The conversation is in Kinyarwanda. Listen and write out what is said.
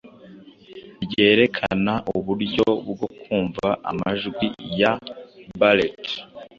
ryerekana uburyo bwo kumva amajwi ya Barrett